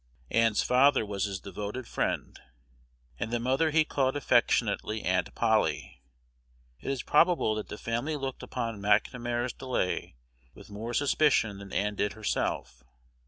Ann's father was his devoted friend, and the mother he called affectionately "Aunt Polly." It is probable that the family looked upon McNamar's delay with more suspicion than Ann did herself.